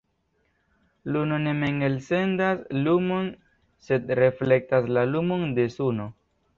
Luno ne mem elsendas lumon, sed reflektas la lumon de Suno.